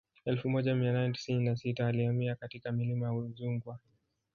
Elfu moja mia nane tisini na sita alihamia katika milima ya Udzungwa